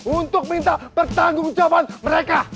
untuk minta pertanggung jawaban mereka